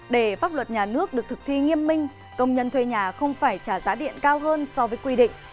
để pháp luật nhà nước được thực thi nghiêm minh công nhân thuê nhà không phải trả giá điện cao hơn so với quy định